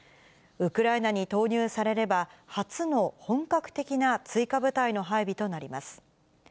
ウクライナに投入されれば、初の本格的な追加部隊の配備となります。